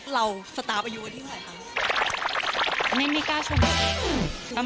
เราสตาร์ของอายุอีกรายไหมครับ